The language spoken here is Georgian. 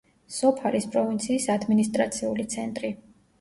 სოფალის პროვინციის ადმინისტრაციული ცენტრი.